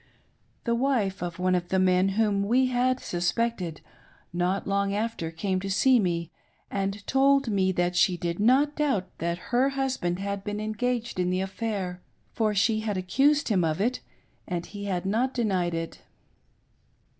The wife of one of the men whom we had suspected, not long after came to see me and told me that she did not doubt that her husband had been engaged in the affair, for she had accused him of it and he had not denied it.